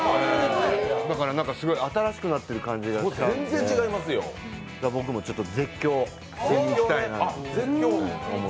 だから、すごい新しくなってる感じがしたんで、僕も絶叫に行きたいなと。